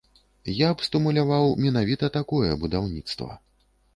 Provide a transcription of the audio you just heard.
Я б стымуляваў менавіта такое будаўніцтва.